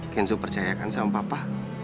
kenzo percayakan sama papa